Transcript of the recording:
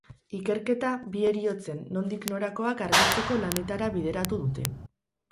Ikerketa bi heriotzen nondik norakoak argitzeko lanetara bideratu dute.